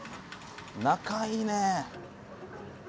仲いいね。